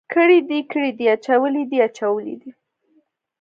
کړي دي، کړی دی، اچولی دی، اچولي دي.